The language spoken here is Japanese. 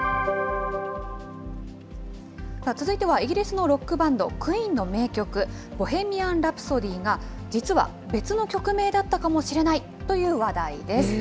続いてはイギリスのロックバンド、クイーンの名曲、ボヘミアン・ラプソディが、実は別の曲名だったかもしれないという話題です。